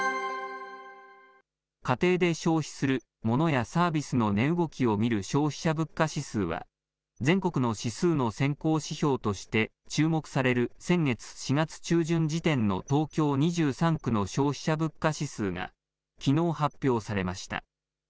家庭で消費するモノやサービスの値動きを見る消費者物価指数は、全国の指数の先行指標として注目される先月・４月中旬時点の東京２３区の消費者物価指数が、きのう発表されました。